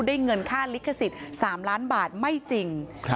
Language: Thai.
เงินค่าลิขสิทธิ์๓ล้านบาทไม่จริง